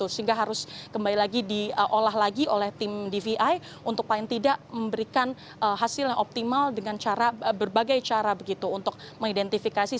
sehingga harus kembali lagi diolah lagi oleh tim dvi untuk paling tidak memberikan hasil yang optimal dengan cara berbagai cara begitu untuk mengidentifikasi